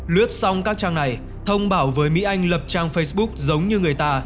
lướt xong các trang này thông bảo với mỹ anh lập trang facebook giống như người ta